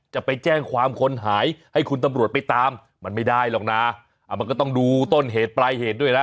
จะไปแจ้งความคนหายให้คุณตำรวจไปตามมันไม่ได้หรอกนะมันก็ต้องดูต้นเหตุปลายเหตุด้วยนะ